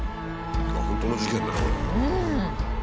本当の事件だこれ。